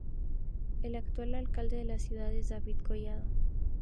El actual alcalde de la ciudad es David Collado.